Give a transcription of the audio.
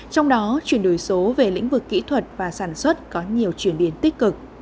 trong đó chuyển đổi số về lĩnh vực kỹ thuật và sản xuất có nhiều chuyển biến tích cực